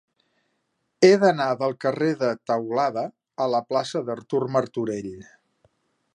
He d'anar del carrer de Teulada a la plaça d'Artur Martorell.